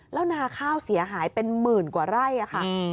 แล้วนาข้าวเสียหายเป็นหมื่นกว่าไร่ค่ะ